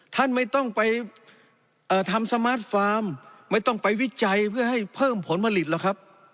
ท่านไม่ต้องไปทำสมาร์ทฟาร์มไม่ต้องไปวิจัยเพื่อให้เพิ่มผลผลิตหรอกครับ